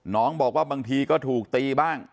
น้องบอกว่าบางทีก็ถูกตีบ้าง